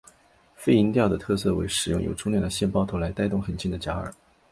飞蝇钓的特色为使用有重量的线抛投来带动很轻的假饵。